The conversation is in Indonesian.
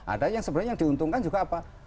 ada yang sebenarnya yang diuntungkan juga apa